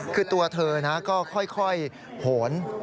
คือตัวเธอนะก็ค่อยโหน